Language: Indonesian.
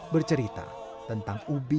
bercerita tentang ubi